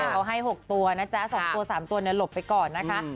เขาให้๖ตัวนะจ๊ะ๒ตัว๓ตัวหลบไปก่อนนะคะ